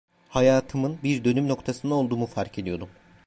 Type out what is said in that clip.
Hayatımın bir dönüm noktasında olduğumu fark ediyordum.